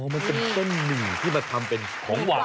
มันเป็นเส้นหมี่ที่มาทำเป็นของหวาน